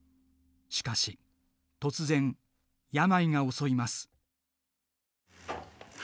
しかし、突然病が襲います。